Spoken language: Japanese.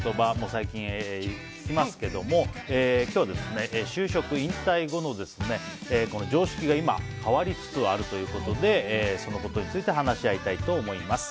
最近、聞きますけど今日は就職引退後の常識が今変わりつつあるということでそのことについて話し合いたいと思います。